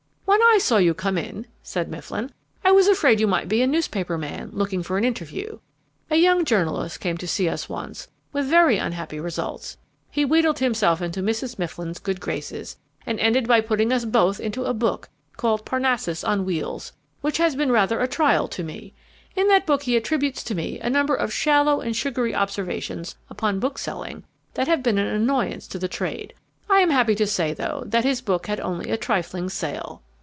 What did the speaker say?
"When I saw you come in," said Mifflin, "I was afraid you might be a newspaper man, looking for an interview. A young journalist came to see us once, with very unhappy results. He wheedled himself into Mrs. Mifflin's good graces, and ended by putting us both into a book, called Parnassus on Wheels, which has been rather a trial to me. In that book he attributes to me a number of shallow and sugary observations upon bookselling that have been an annoyance to the trade. I am happy to say, though, that his book had only a trifling sale."